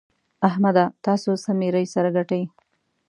احمده! تاسو څه ميرۍ سره ګټئ؟!